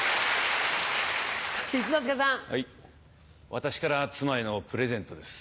私から妻へのプレゼントです。